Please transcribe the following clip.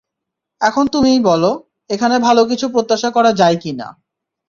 এখন তুমিই বলো, এখানে ভালো কিছু প্রত্যাশা করা যায় কিনা?